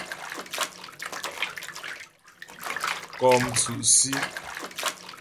Kɔ́ mtsʉ́' Sí.